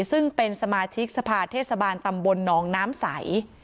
ซึ่งเป็นสมาชิกสภาเทศบาลตำบลหนองน้ำใส